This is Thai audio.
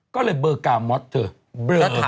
ก็เลยเบอร์กามอสเถอะ